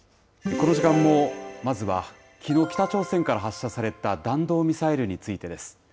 この時間もまずは、きのう北朝鮮から発射された弾道ミサイルについてです。